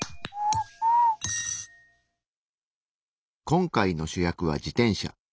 今回の主役は自転車。